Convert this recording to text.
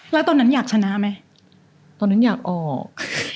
แล้วตอนนั้นอยากชนะไหมตอนนั้นอยากออก